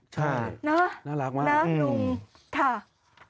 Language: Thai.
ใช่น่ารักมากนะลุงค่ะน่ารักมาก